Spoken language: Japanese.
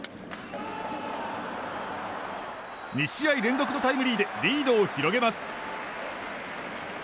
２試合連続のタイムリーでリードを広げます。